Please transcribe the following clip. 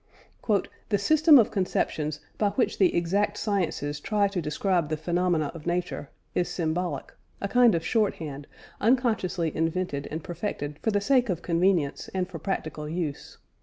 "The system of conceptions by which the exact sciences try to describe the phenomena of nature ... is symbolic, a kind of shorthand, unconsciously invented and perfected for the sake of convenience and for practical use